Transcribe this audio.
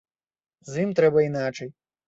З ім трэба іначай.